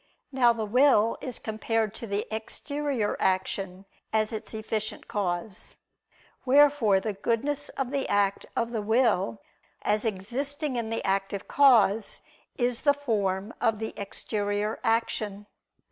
Now the will is compared to the exterior action, as its efficient cause. Wherefore the goodness of the act of the will, as existing in the active cause, is the form of the exterior action.